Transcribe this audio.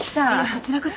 こちらこそ。